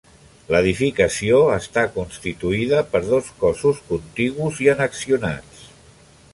L'edificació està constituïda per dos cossos contigus i annexionats.